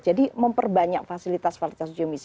jadi memperbanyak fasilitas fasilitas uji emisi